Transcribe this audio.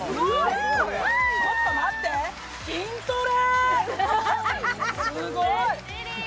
ちょっと待って、筋トレ！